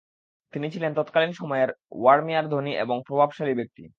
তিনি ছিলেন তৎকালীন সময়ের ওয়ার্মিয়ার ধনী এবং প্রভাবশালী ব্যক্তি।